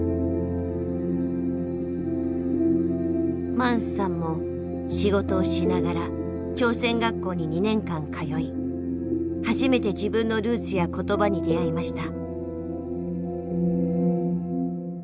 マンスさんも仕事をしながら朝鮮学校に２年間通い初めて自分のルーツや言葉に出会いました。